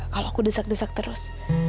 kalau aku desak desak terus